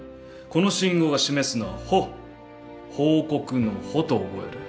この信号が示すのは「ほ」報告の「ほ」と覚える。